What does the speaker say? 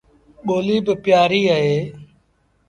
ٻوليٚ با پيٚآريٚ اهي